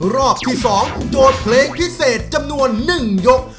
รอบที่๒โจทย์เพลงพิเศษจำนวน๑ยก